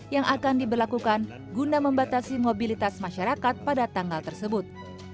yang akan diberlakukan guna membatasi mobilitas masyarakat pada tanggal tersebut